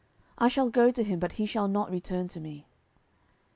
I shall go to him, but he shall not return to me.